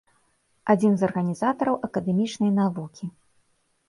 Адзін з арганізатараў акадэмічнай навукі.